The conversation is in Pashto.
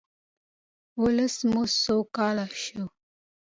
ولس مو سوکاله شي.